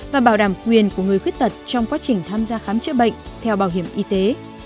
và bảo đảm quyền của người khuyết tật trong quá trình tham gia khám chữa bệnh theo bảo hiểm y tế